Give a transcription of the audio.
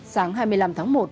sáng hai mươi năm tháng một